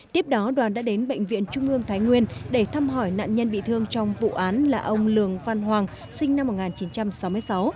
tiếp đó đoàn đã đến bệnh viện trung ương thái nguyên để thăm hỏi nạn nhân bị thương trong vụ án là ông lường văn hoàng sinh năm một nghìn chín trăm sáu mươi sáu